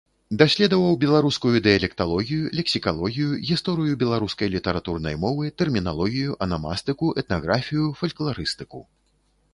Даследаваў беларускую дыялекталогію, лексікалогію, гісторыю беларускай літаратурнай мовы, тэрміналогію, анамастыку, этнаграфію, фалькларыстыку.